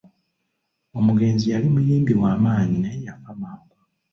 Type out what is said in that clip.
Omugenzi yali muyimbi wa maanyi naye yafa mangu.